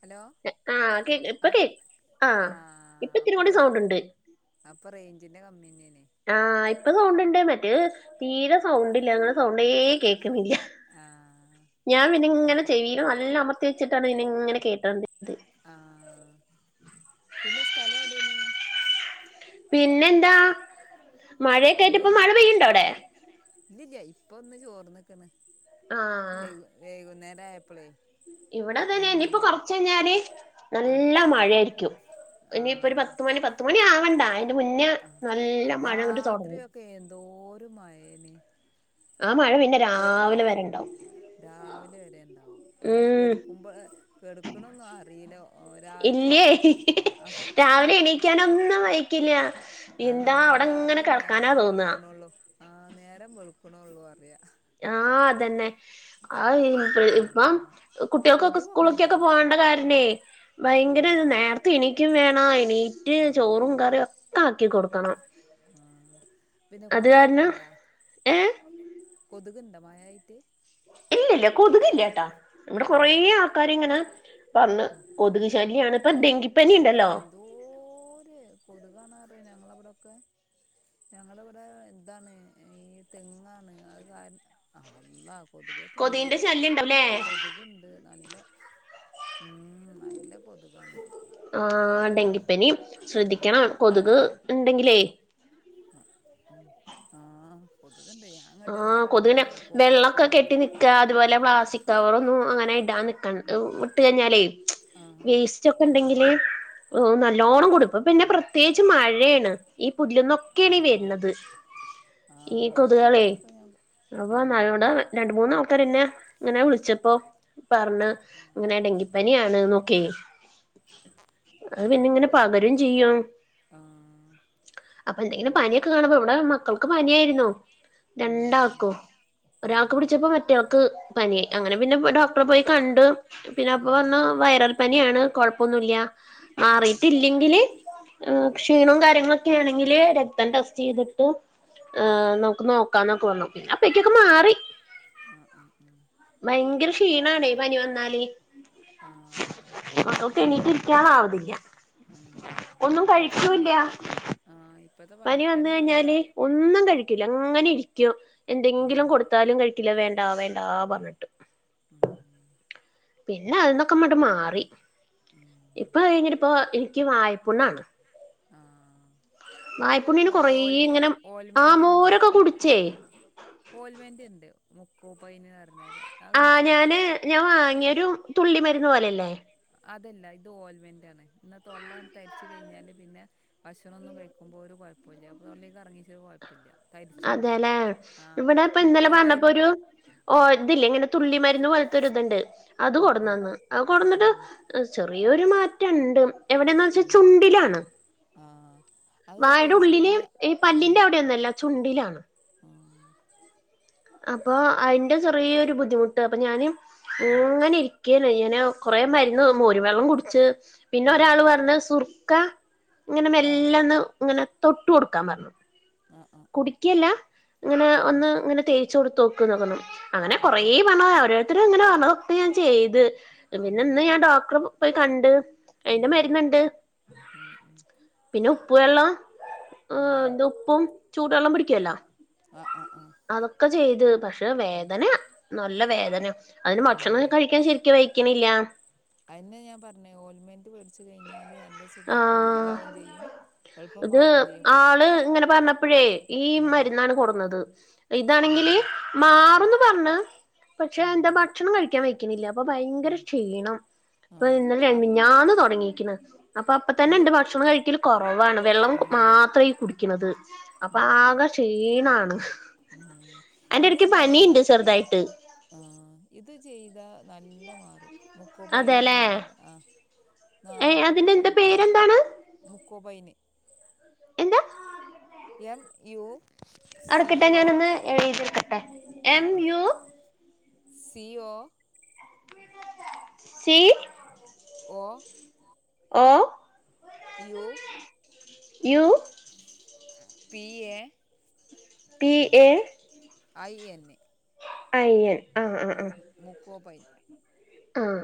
Hello ആ കേ ഇപ്പൊ ആഹ് കേ ക് ആ ഇപ്പൊ ആഹ് ഇത്തിരി അപ്പ കൂടി റേ സൗണ്ട് ഉണ്ട് അപ്പ റെയ്ഞ്ച്ന്റെ കമ്മ്യെന്നേനി ആഹ് ഇപ്പ സൗണ്ട്ണ്ട് മറ്റേ തീരെ സൗണ്ട്ല്ല ഇങ്ങളെ സൗണ്ടേ കേക്ക്ന്നില്ല ആഹ് ഞാൻ പിന്നെങ്ങെനെ ഇങ്ങട്ട് ചെവീല് നല്ല അമർത്തി വെച്ചിട്ടാണ് പിന്നെങ്ങെനെ കോട്ടോണ്ട് ത്ത് ആഹ് പിന്നെ സ്ഥലം ഓടേനീ പിന്നെന്താ മഴയെക്കേയിട്ട് ഇപ്പ മഴ പെയ്യ്ണ്ടോ അവ്ടെ ഇല്ല്യല്ല്യാ ഇപ്പാെന്ന് ചോർന്ന്ക്ക്ണ് ആ വെയ്കു വെയ്കുന്നേരായപ്പളേ ഇവടെ അങ്ങെനെ ഇനിയിപ്പോ കൊർച്ചയ്ഞ്ഞാല് ആഹ് നല്ല മഴായ്രിക്കും ഇനിയിപ്പൊര് ആഹ് പത്ത്മണി പത്തുമണി ആവണ്ട അയ്ന്റെ മുന്നേ നല്ല മഴങ്ങട്ട് താെട്ങ്ങും പ്പേ എന്തോരു മഴേലേ ആ മഴ പിന്നെ രാവിലെ വരെണ്ടാവും രാവിലെ വരെ ഉണ്ടാവും അത് കെടുക്കുമ്പോ കെടുക്കണന്നും അറീല്ല ഓ രാവിലെ ആഹ് ഇൻക്കാണക്കിൽ ഒന്നും വെക്കില്ല്യ ആ രാവിലെ നേരം വെളുക്കണള്ളൂ ആ നേരം വെളുക്കണള്ളൂ അറിയ ആഹ് അതന്നെ ആ ഇ ഇപ്പം എന്താ കുട്ടികൾക്കൊക്കെ കൊതുകൊക്കെ ഇണ്ടാ സ്കൂളൊക്കെയൊക്കെ പോകണ്ട കാരണേ ഭയങ്കര ആഹ് നേരത്തെ എനിക്കും വേണം എണിറ്റ് ചോറും ആഹ് കറിയും ഒക്കെ ആക്കി കൊടുക്കണം ആ പിന്നെ അത് കാരണം കൊതുകൊക്കെണ്ടാ ഏഹ് കൊതുകിണ്ട മഴയായിട്ട് ഇല്ല ഇല്ല കൊതുക് ഇല്ല്യട്ടാ ഇവിടെ കൊറേ ആഹ് ആൾക്കാാര് ഇങ്ങനെ പറഞ് കൊതുക് ശ ശല്ല്യണ് അത് എന്തോര് കൊതുകാണ്റിയ ഞങ്ങളവിടൊക്കെ ഞങ്ങളിവിടെ എന്താണ് ഈ തെങ്ങാണ് അത് ക അള്ള കൊതുക്ക്കെട്ടണ്ട കൊതുകിന്റെ ശല്യം ഉണ്ടാവുല്ലേ കൊ കൊതക്ണ്ട് നല്ലം ഉ നല്ല കൊതുകാണ് ആ ഡെങ്കിപ്പനി അങ്ങനെ ശ്രദ്ധിക്കണം കൊതുക് ഇണ്ടെങ്കിലേ ആഹ് ആഹ് കൊതുകണ്ട് ഞാൻ അങ്ങോട്ട് എന്താ കാട്ടിലറിയോ പോകയിച്ചലാണ് ക്കാ അതുപോലെ പ്ലാസ്റ്റിക് കവർ ഒന്നും അങ്ങനെ ഇടാൻ നിക്ക ഇണ്ട്കഴിഞ്ഞാലേ ആഹ് വേസ്റ്റ് ഒക്കെ ഉണ്ടെങ്കില് ആഹ് നല്ലോണം കൊടുപ്പും പിന്നെ ആഹ് പ്രത്യേകിച്ച് മഴയാണ് ഈ പുല്ല്ന്നൊക്കെയാണ് ഈ ആഹ് വരുന്നത് ഈ ആഹ് കൊതുകളെ. പുല്ലൊക്കെ ഞാൻ അപ്പൊ മഴയേണ്ട് ഉം രണ്ട് മൂന്ന ആൾക്കർന്നെ ഇങ്ങനെ വിളിച്ചപ്പോ പറണ് ഇങ്ങനെ ഡെങ്കിപ്പനിയാണ്ന്ന് ഒകെ അത് പിന്നെ ഞാന് ഇങ്ങനെ പകരയും ചെയ്യും ആഹ് അപ്പൊ എന്തെങ്കിലും ഇപ്പ പനിയൊക്കെ കാണുമ്പോ ഇവിടെ മക്കൾക്ക് പനിയാരുന്നു ആഹ് രണ്ടക്കും ഉം ഒരാൾക്ക് പിടിച്ചപ്പോ മറ്റേ ആൾ ക്ക്‌ പനിയായി അങ്ങനെ പിന്നെ ഡോക്ടറെ പോയി കണ്ട് പിന്നെ ഉം അപ്പോപറഞ്ഞു വൈറൽ പനിയാണ് കുഴപ്പൊന്നുമല്ല ഉം മാറിയിട്ടില്ലെങ്കിൽ ഉം ക്ഷീണവും കാര്യങ്ങൾ ക്കെ ആണെങ്കിൽ രക്തം ടെസ്റ്റ് ചെയ്തിട്ട് ഉം നമുക്ക് നോക്കാംന്നൊക്കെ വന്നു അപ്പൊയെക്കും ഒക്കെ മാറി ആഹ് ആഹ് ആഹ് അഹ് ഭയങ്കര ക്ഷീണണേ പനി വന്നാല് ആഹ് ആഹ് മക്കൾക്ക് എനിക്ക് ഇരിക്കാൻ ആവതില്ല ഉം ഒന്നും ഇപ്പത്തെ പനി കഴിക്കൂല്ല്യ ആഹ് ഇപ്പത്തെ പനിക്കന്നെ നല്ല ഒന്നും കഴിക്കില്ല അങ്ങനെ ഇരിക്കും ഉം എന്തെങ്കിലും കൊടുത്താലും കഴിക്കില്ല വേണ്ട വേണ്ടാ പറഞ്ഞിട്ട് ഉം പിന്നെ അതിന്നൊക്കെട്ട് മാറി ഉം ഇപ്പൊ കഴിഞ്ഞിട്ട ഇപ്പൊ എനിക്ക് വായ്പുണ്ണാണ് ആഹ് ഒരു വായ്പുണ്ണിന് കൊറേ ഓൽ ഇങ്ങനെ ആ ഓൽമന്റ് ഇണ്ട് മോരൊക്കെ കുടിച്ചേ ഓൽമെന്റ്ണ്ട് മുക്കോപൈന് പറഞ്ഞരൂ ആ ഞാന് ഞാൻ വാങ്ങിയൊ ഒരു തുള്ളി മരുന്ന് പോലെല്ലേ അതല്ല ഇത് ഓൽമെന്റ് ആണ് ഇന്ന തൊള്ള തരിച്ച് കഴിഞ്ഞാല് പിന്നെ ഭക്ഷണൊന്നുംകഴിക്കുമ്പോ ഒരു കുഴപ്പമല്ല അപ്പൊ തൊള്ളേക്ക് ഇറങ്ങിച്ച കുഴപ്പം കുഴപ്പം ഇല്ല തരിച്ചു അങ്ങനെ അതെല്ലേ ആഹ ഇവിടെ ഇപ്പ ഇന്നലെ പറഞ്ഞപ്പോ മുക്കോപ്പയിന് ഒരു ഓ ഇതില്ലേ ഇങ്ങനെ തുള്ളി മരുന്ന് പോലത്തൊരു ഇതുണ്ട് അത് ആഹ് ആഹ് കൊടന്നന്ന് ആ കൊടന്നിട്ട് ആഹ് ചെറിയൊരു മാറ്റം ഉണ്ട് എവിടെന്ന് വെച്ചാ ഉം ചുണ്ടിലാണ് ആഹ് അത് വായയുടെ തേച്ച് ഉള്ളില് കഴിഞ്ഞാ ഈ ആഹ് പല്ലിന്റെ അവിടെ ഒന്നുംല്ല ചുണ്ടിലാണ് ആഹ് അപ്പൊ അതിന്റെ ചെറിയൊരു ബുദ്ധിമുട്ട് അപ്പൊ ഞാന് ങ്ങനെ [unintelligible] കൊറെ മരുന്ന് മോര് വെള്ളം കുടിച്ച് പിന്നെ ഉം ഒരാള് പറഞ്ഞു സുർക്ക ഇങ്ങനെ ആഹ് മെല്ലൊന്ന് ഇങ്ങനെ തൊട്ട് കൊടുക്കാൻ പറഞ്ഞു ആഹ് ആഹ് ആഹ് കുടിക്കെല്ല. ങ്ങനെ ആഹ് ഒന്ന് ങ്ങനെ തേച്ചൊട്ത്തോക്ക് ന്നാ പർഞ്ഞെ. അങ്ങനെ ആഹ് കൊറേ ആഹ് പർഞ്ഞ [unintelligible] അവര് ത്ര ങ്ങനെ പർണു. തേ ഞാൻ ചെയ്ത്. പിന്നെ ഇന്ന് ഉം ഞാൻ ഡോക്ടറ് പോയി കണ്ട് അയ്ന്റെ ഉം മര്ന്ന്ണ്ട്. ഉം ഉം പിന്നെ ഉപ്പ് വെള്ളം. ഉം ആഹ് ന്താ ഉപ്പും ചൂടെള്ളം പിടിക്കല്ലാ ആഹ് ആഹ് ആഹ് അതൊക്കെ ചെയ്ത്. പക്ഷെ വേദന നല്ല വേദന്യാ. അതിന് ഭക്ഷണം ഉം കഴിക്കാൻ ശരിക്കു വെയിക്കിണില്ലാ. അയെന്നെ ഞാപർഞ്ഞെ. ഓൽമെന്റ് വേട്ച്ച് കഴിഞ്ഞാല് നല്ല സുഖത്തില് ആഹ് താവും ചെയ്യും. എളുപ്പം ഇത് മാറും ചെയ്യും കു ആള് ഇങ്ങനെ പർണപ്പഴേ ഈ ഉം മരുന്നാണ് കൊട്ന്നത്. ഉം ഇതാണെങ്കില് മാറുംന്ന് പർണ്. പക്ഷെ ഉം എന്താ ഭക്ഷണം കഴിക്കാൻ വൈക് ക്കിണില്ല അപ്പൊ ഭയങ്കര ഉം ക്ഷീണം. [unintelligible] ആഹ് ഇന്നലെ, അപ്പ മിഞ്ഞഞ്ഞാന്ന് തുടങ്ങി ക്കിണെ അപ്പൊ അപ്പ ഇത് തന്നെണ്ട് ഭക്ഷണം കഴിക്കല് കൊറവാണ്. വെള്ളം കു ആഹ് മാത്ര ഈ കുടിക്ക്ണത്. അപ്പൊ ഉം ആകെ ക്ഷീണാണ്. ഉം ഇത് അയിന്റെട്ക്ക് ഇതായാ പനിണ്ട് മതി ചെർതായിട്ട്. ആഹ്. ഇത് ചെയ്താ നല്ല മാറും മുക്കോപൊയ്ന് അതെല്ലേ അർഞ്ഞ്ങ്ങാണ്ട് ആഹ്. ഏ അതിന്റെ നാപ്പത്തെട്ട് എന്താ റുപ്യേ. പേരെന്താണ് മുക്കൂബൈന് എന്താ? എം യു സി അട്ക്ക്ട്ടെ ഒ ഞാനൊന്ന് എഴ്തിട്ക്കട്ടെ. എം ആഹ് ആഹ് U C O C O O U U P A P A I എന്ന്‌ ഐ എൻ ആഹ് ആഹ്ആഹ് മുക്കോബൈൻ ആഹ്.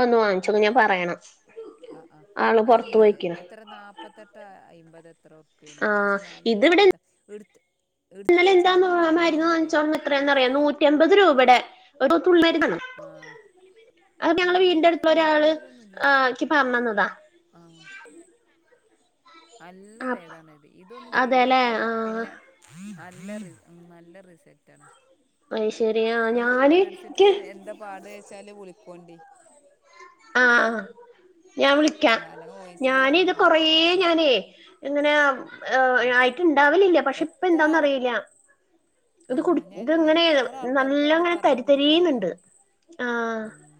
അഒന്ന് വാങ്ച്ചോക്ക ഞാ പറയണം ആഹ് ആഹ് ആള് പൊറത്ത് അഅ്ണ്ട്. എ പോയിക്കണ് എത്ര നാപത്തെട്ടാ, അയ്മ്പത എത്രോ പിന്നെ ആഹ് ക്ഷെ നല്ല ഇതിവിടെ പേതാ. ഇട്ത്ത് ഇട്ത്തെച്ചാലും നല്ല പേതാ. എത്രേന്നറിയോ? നൂറ്റിമ്പത് രൂപയ്ടെ ഒരു തുള്ളി മര്ന്നാണ്. ആ അഅ് ആ ഞങ്ങൾടെ വീടിന്റെ ഇത് അട്ത്ത്ള്ള ഒരാള് ആ ഇക്കി പർഞ്ഞന്നതാ. ആഹ് അല്ല അ പേതാണ് ഇത്. ഇതൊന്ന് അതേല്ലേ ചെയ്തോക്കിയാ. ആഹ് പിന്നെ നല്ല റി ഉം നല്ല റിസൽറ്റാണ്. അയ് ശെരി ആഹ് ഒന്ന് ഞാന് വേട്ച്ചിട്ട് ഇക്ക് എന്താ പാട് ച്ചാല് വിൾക്കോണ്ടി. ആഹ് ആഹ് ഞാ വിളിക് ക്യാ. ആ അല്ലെങ്കിൽ വോയിസില് ഞാനിത് പറഞ്ഞാൽ മതി കൊറേ ആ ആ ഞാനേ ങ്ങനെ വ് ആ ഏ അയിക്ക്ണ്ടാവലില്ല. പക്ഷെ എത്ര ആള് പ്പന്താന്നറീല. ആ ഇത് കുടി ത് ഞാനേ ങ്ങനെ എത്ര ആൾക്കാർക്ക് നല്ല അത് ങ്ങനെ പറഞ്ഞു കൊടുത്തക്കണ അറിയോ തരിതരിന്ന്ണ്ട്. ആഹ് ഉം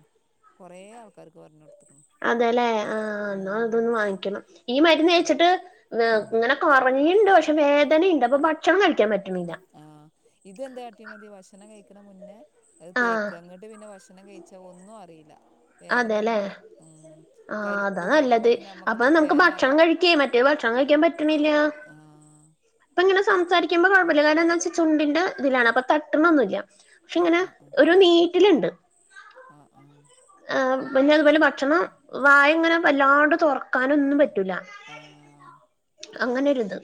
കൊറേ ആൾക്കാര്ക്ക് പർഞ്ഞൊ ട്ത്ത്ക്ക്ണ്. അതേല്ലെ. ആഹ് ന്നാ ത് ന്ന് വാങ്ങിക്കണം. ഈ മര്ന്നയ്ച്ചിട്ട് ന്നേ ങ്ങനെ കൊൾഞ്ഞിണ്ട്. പക്ഷെ വേദനയ്ണ്ട് അപ്പൊ ഭക്ഷണം കഴിക്കാൻ പറ്റണില്ല. ആഹ്. ഇത് എന്താ അട്ടിയാമതി ഭക്ഷണം കഴിക്കണ മുന്നേ അഅ് തേക്ക. ആഹ് ങ്ങട്ട് പിന്നെ ഭക്ഷണം കഴിച്ചാ ഒന്നും അറിയില്ല. വേദന അതെല്ലേ ഒന്നും ഉം ആഹ് അതാ തരിക്കും. അപ്പൊ നല്ലത് പിന്നെ അമ്മക്ക് അപ്പൊ നമുക്ക് വേന ഭക്ഷണം അറീല. കഴിക്കേ മറ്റേ ഭക്ഷണം കഴിക്കാൻ പറ്റണില്ല ആഹ് ഇപ്പൊ ഇങ്ങനെ സംസാരിക്കുമ്പോ കുഴപ്പമില്ല കാരണം എന്ന് വെച്ചാ ചുണ്ടിന്റെ ഇതിലാണ് അപ്പം തട്ടണൊന്നുമില്ല പക്ഷെ ഇങ്ങനെ ഒരു നീറ്റലുണ്ട് ആഹ് ആഹ് ആഹ് പിന്നെ അതുപോലെ ഭക്ഷണം വായ് ഇങ്ങനെ വല്ലാണ്ട് തുറക്കും ക്കാണനൊന്നും പറ്റൂല അങ്ങനൊരുത്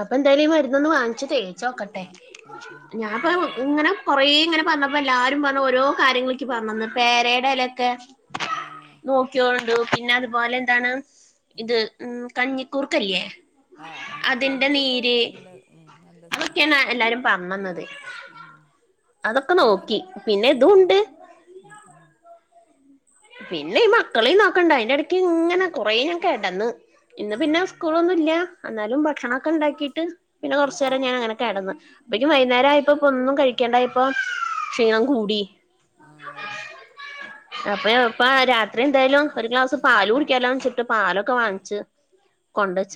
അപ്പൊ എന്തായാലും ഈ മരുന്നൊന്ന് വാങ്ങിച്ചിട്ട തേച്ച് ആ നോക്കട്ടെ ആ ആ ആ ഞാൻ ഇപ്പ നല്ല ഭേദാണ് ഇങ്ങനെ കൊറേ ഇങ്ങനെ പറഞ്ഞപ്പോ എല്ലാരും പറഞ്ഞ ഓരോ കാര്യങ്ങൾ ഇക്ക് പറഞ്ഞന്ന് പേരയുടെ ഇലൊക്കെ ആഹ് നോക്കിയോണ്ട് പിന്നെ അതുപോലെ എന്താണ് ഇത് ഉം കഞ്ഞിക്കൂർക്ക ഇല്ലേ ആഹ് ആഹ് കഞ്ഞിക്കൂർക്ക നല്ല ഉം നല്ല സാധനാ അതൊക്കെയാണ് എല്ലാരും പറഞ്ഞന്നത് ഉം അതൊക്കെ കഞ്ഞി നോക്കി പിന്നെ ഉം ഇതും ഉണ്ട് ഉം ഉം പിന്നെ ഈ മക്കളെ നോക്കണ്ട അതിന്റെ ഇടയ്ക്ക് ഇങ്ങനെ കൊറേ ഞാൻ കിടന്ന് ഇന്ന് പിന്നെ ഉം സ്കൂളൊന്നും ഇല്ല എന്നാലും ഭക്ഷണൊക്കെ ഉണ്ടാക്കീട്ട് പിന്നെ ആ കുറച്ചു ആ നേരം ഞാൻ അങ്ങനെ കിടന്ന് അപ്പക്കു ആ വൈകുന്നേരം ആയപ്പോ ഇപ്പ ഒന്നും കഴിക്കേണ്ടായപ്പ ക്ഷീണം കൂടി ആഹ് അപ്പൊ ഇപ്പ രാത്രി എന്തായാലും ഒരു ഗ്ലാസ് പാല് കുടിക്കാലോ വച്ചിട്ട് പാലൊക്കെ വാങ്ങിച്ച്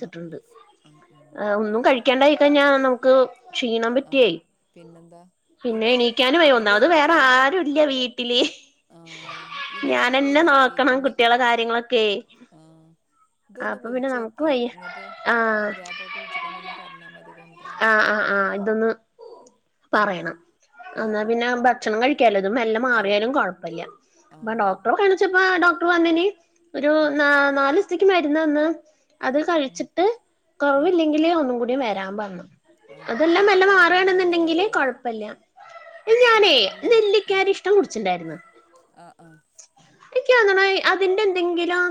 ആ ആ ഉം ഉം ഒന്നും കഴിക്കാണ്ടായി കഴിഞ്ഞാൽ നമുക്ക് ക്ഷീണം ആ പറ്റിയായി പിന്നെന്താ പിന്നെ ഇത് എണീക്കാൻ വയ്യ ഒന്നാമത് ഇതൊന്ന് വേറെ ആരും ഇല്ല വീട്ടില് ആഹ് ഇതൊന്ന് ഞാനെന്നെ ചെയ്തോക്കിയേ നോക്കണം ഇനി കുട്ട്യാളെ കാര്യങ്ങളൊക്കെ ആഹ് ഇതൊന്ന് അപ്പൊ പിന്നെ ഒഴിച്ച് നമുക്ക് നോക്കിയേ വയ്യ ഇങ്ങട്ട് ആഹ് പുതിയാപ്പള ഒഴിച്ച് ഒന്ന് പറഞ്ഞാൽ മതി കൊണ്ട് വരാന് ആഹ് ആഹ് ആഹ് ഇതൊന്ന് പറയണം എന്നാ ആ പിന്നെ ഭക്ഷണം കഴിക്കാല്ലോ അതും മെല്ല ആ മാറിയാലും കുഴപ്പമില്ല ആ അപ്പ ഡോക്ടറെ കാണിച്ചപ്പോ ഡോക്ടർ വന്നിന് ഒരു നാല് ദിവസത്തേക്ക് മരുന്ന് തന്ന് അത് ഉം കഴിച്ചിട്ട് ഉം കുറവില്ലെങ്കില് ഒന്നും കൂടി വരാൻ പറഞ്ഞു ആ അതെല്ലാം ഇത് മെല്ല നല്ല മാറുവാണെന്നുണ്ടെങ്കിൽ മരുന്നാ കൊഴപ്പമില്ല ഈ ഇത് ഞാനേ നല്ല മ ആ നെല്ലിക്ക അരിഷ്‌ടം കുടിച്ചിട്ടുണ്ടായിരുന്നു ആ ആ എനിക്ക് തോന്നണെ അതിൻ്റെ എന്തെങ്കിലും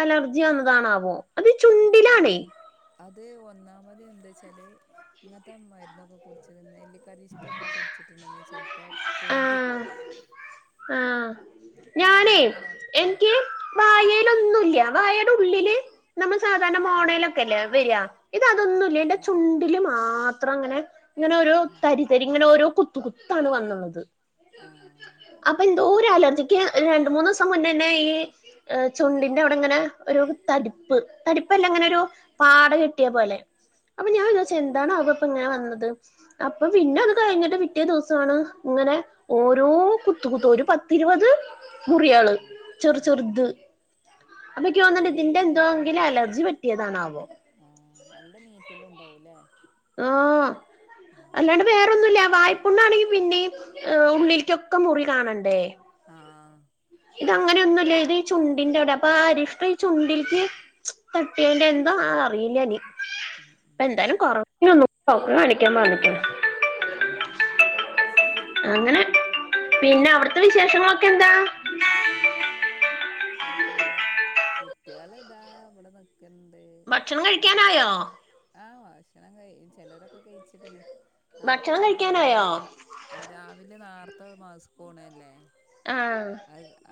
അലർജി വന്നതാണാവോ അത് ആഹ് ചുണ്ടിലാണേ അത് ഒന്നാമത് എന്ത് വെച്ചാല് ഇങ്ങനത്തെ മരുന്നൊക്കെ കുടിച്ചിരുന്ന അരിഷ്ടം ഒക്കെ കുടിച്ചിട്ടുണ്ടെങ്കിൽ ചിലപ്പോ പൊന്തി പോവും ആഹ് ആഹ് നാടൻ ഞാനേ മരുന്നിന് ആ എനിക്ക് വായേൽ ഒന്നുമില്ല വായുടെ ഉള്ളില് നമ്മൾ സാധാരണ മോണയിലൊക്കെ അല്ലേ വരിക ഇത് അതൊന്നും ഇല്ല എന്റെ ആ ആ ആ ചുണ്ടി ചുണ്ടില് മാത്രം അങ്ങനെ ഇങ്ങനെ ഓരോ ആ തരിതരി ഇങ്ങനെ ഓരോ കുത്ത് കുത്താണ് വന്നുള്ളത് ആഹ് അപ്പൊ ന്തോ രു അലർജിക്ക് രണ്ടു മൂന്നൂസം മുന്നന്നെ ഈ ഹയ് ചുണ്ടിന്റെ അവിടെ ങ്ങനെ ഒരു തടിപ്പ് തടിപ്പല്ലാ ങ്ങനെ ആ ഒരു പാട കെട്ടിയ പോലെ അപ്പൊ ആ ഞാൻ വിചാരിച് ആ എന്താണവോ പ്പ ങ്ങനെ വന്നത് അപ്പൊ പിന്നെത് കഴിഞ്ഞിട്ട് പിറ്റേ ദിവസാണ് ങ്ങനെ ഓരോ കുത്ത് കുത്ത ഒരു പത്തിരുപത് മുറിയാള് ആ ചെറുചെറുത് ആ അപ്പൊക്കിഓന്നിണ്ട് നല്ല തിന്റെ എന്തോങ്കിലും അലർജി പറ്റിയതാണാവോ ആഹ് നല്ല നീറ്റെല് ണ്ടാവൂല്ലേ ആഹ് അല്ലാണ്ടെ വേറൊന്നുംല്ല വായ്പുണ്ണാണെ പിന്നെ ഉള്ളില്ക്കൊക്കെ മുറി കാണണ്ടേ ആഹ് ഇത് അങ്ങനെയൊന്നുല്ല ഇത് ഈ ചുണ്ടിന്റെ അവിടെ അപ്പൊ അരിഷ്ടം ഈ ചുണ്ടിൽക്ക് തട്ടിയതിന്റെയോഎന്തോ ആവോ അറിയില്ലനി ഉം ഉം എന്തായാലും കൊറവില്ലേൽ ഒന്ന് കൂടെ ഡോക്ടറെ കാണിക്കാൻ പറഞ്ഞേക്കണു ആഹ് ആഹ് ആഹ് അങ്ങനെ പിന്നെ അവിടത്തെ വിശേഷങ്ങളൊക്കെ എന്താ സുഖാണ് കൊയപ്പല്യ കുട്ട്യോള് താ വിടെ നിക്ക് ക്കെണ്ട് ഭക്ഷണം അങ്ങനെ കഴിക്കാനായോ ഫുഡ് കഴിക്കാൻ ആയോ ആഹ് ഭക്ഷണം കയ് ചെ ലവരൊക്കെ കഴിച്ചിക്ക്ന്ന് നേർത്ത ഭക്ഷണം കെട്ന്നോറങ്ങും കഴിക്കാനായോ രാ ആ രാവിലെ നാർത്തെ മാസ് പോണതല്ലേ ആഹ്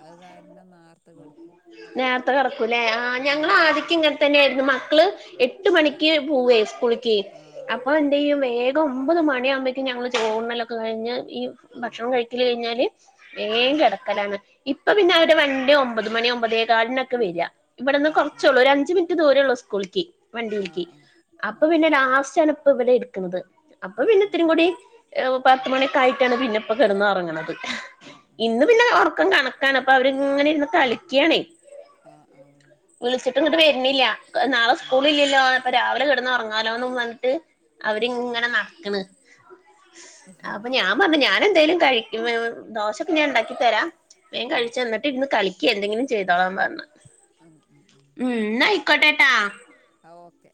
ഐത്അയ് കാരണം നേർത്ത കെടക്കും നേർത്ത കെടക്കും ലെ ആ ആഹ് ഞങ്ങളാദ്യക്കെ ങ്ങനെതന്നെയ ആയിരുന്നു മക്കള് എട്ട് മണിക്ക് പോവേയ് സ്കൂളിക്ക് ആഹ് അപ്പ എ യ്യും വേഗം ഒമ്പത് മണിയവുബോഴേക് ഞങ്ങള് ചോർണ്ണലൊക്കെ കഴിഞ്ഞ് ഈ ഭക്ഷണം കഴിക്കൽ കഴിഞ്ഞാല് വേം ആഹ് കെടക്കലാണ് ഇപ്പൊ ഉം പിന്നെ അവര് വണ്ടി രു ഒമ്പത് മണി ഒമ്പതേ കാൽനോക്കെ വര്യ ഇവിടന്ന് ആഹ് ആഹ് കുറചോള്ളൂ ഒരു അഞ്ച് മിനിറ്റ് ദൂരോള്ളൂ സ്കൂൾക്ക് ആഹ് വണ്ടിൾക്കി ആഹ് ആഹ് അപ്പൊ ആഹ് പിന്നെ ലാസ്റ്റ് ആണ് ഇപ്പ ഇവിടെടുക്കുന്നത് അപ്പൊ ആഹ് ആഹ് ആഹ് ആഹ് ആഹ് ആഹ് ആഹ് ആഹ് ആഹ് ആഹ് പിന്നെ ഇത്തിരിം കൂടി പത്ത് മണിയോക്കെയിട്ടാണ് പിന്നെപ്പ കിടന്ന ഒറങ്ങണത് ഇന്ന് പിന്നെ ഉറക്കം കണക്കാന് അപ്പൊ അവരിങ്ങനെരുന്ന് കളിക്കാണേ ആഹ് വിളിച്ചിട്ട്ങ്ങട്ട് വര്ന്നില്ല നാളെ സ്കൂളില്ലല്ലോ അപ്പൊ രാവിലെ കിടന്ന് ഉറങ്ങാലോം ന്ന് പറഞ്ഞിട്ട് ആഹ് ആഹ് അവരിങ്ങനെ ആഹ് നടക്ക്ണ് അപ്പൊ ഞാൻ പറഞ് ഞാൻെന്തേലും കഴിക്കും ദോശൊക്കെ ഞാൻ ണ്ടാക്കി തരാ വേം കഴിചോ ന്നിട്ട് ഇര്ന്ന് കളി ന്തെങ്കിലും ചെയ്തോളാംന്ന് ഉം ഉം ഉം റഞ്ഞ ന്നാ ആയിക്കോട്ടേട്ടാ ആഹ് ഓക്കെ